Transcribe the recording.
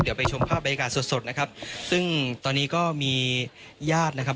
เดี๋ยวไปชมภาพบรรยากาศสดสดนะครับซึ่งตอนนี้ก็มีญาตินะครับ